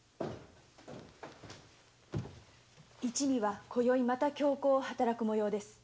一味はこよいまた凶行を働くようです。